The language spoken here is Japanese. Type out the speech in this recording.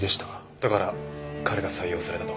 だから彼が採用されたと？